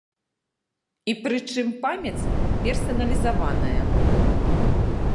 І прычым памяць персаналізаваная.